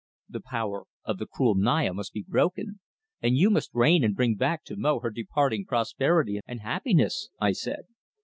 "The power of the cruel Naya must be broken, and you must reign and bring back to Mo her departing prosperity and happiness," I said.